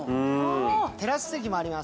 テラス席もあります。